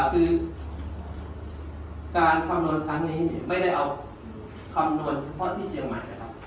คือการคำนวณครั้งนี้ไม่ได้เอาคำนวณเฉพาะที่เชียงใหม่นะครับ